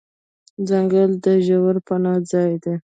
ځنګل د ژوو پناه ځای دی.